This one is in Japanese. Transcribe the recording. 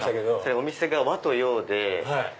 お店が和と洋で。